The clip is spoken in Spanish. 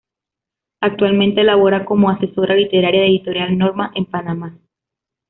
Actualmente labora como asesora literaria de Editorial Norma en Panamá.